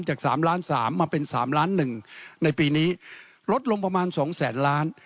จาก๓ล้าน๓มาเป็น๓ล้านหนึ่งในปีนี้ลดลงประมาณสองแสนล้าน